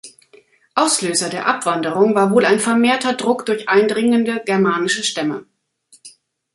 Auslöser der Abwanderung war wohl ein vermehrter Druck durch eindringende germanische Stämme.